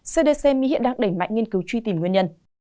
cdc hiện đang đẩy mạnh nghiên cứu truy tìm nguyên nhân